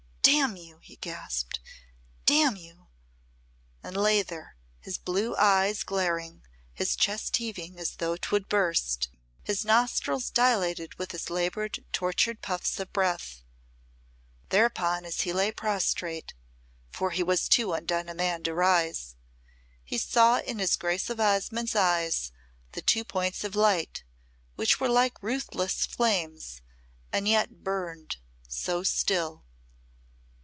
"Damn you!" he gasped. "Damn you," and lay there, his blue eyes glaring, his chest heaving as though 'twould burst, his nostrils dilated with his laboured, tortured puffs of breath. Thereupon, as he lay prostrate, for he was too undone a man to rise, he saw in his Grace of Osmonde's eyes the two points of light which were like ruthless flames and yet burned so still.